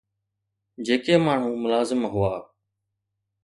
جيڪي ماڻهو ملازم هئا